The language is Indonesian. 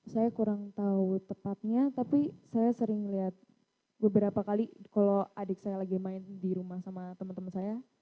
saya kurang tahu tepatnya tapi saya sering lihat beberapa kali kalau adik saya lagi main di rumah sama teman teman saya